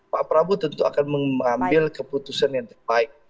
pak prabowo tentu akan mengambil keputusan yang terbaik